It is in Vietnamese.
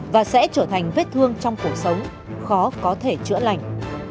và sẽ trở thành vết thương trong cuộc sống khó có thể chữa lành